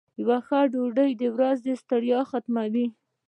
یو ښه ډوډۍ د ورځې ستړیا ختموي.